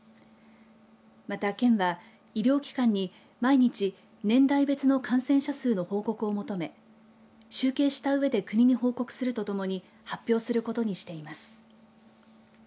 また、県は医療機関に毎日年代別の感染者数の報告を求め集計したうえで国に報告するとともに発表することにしています。